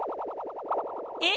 えっ。